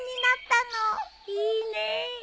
いいね。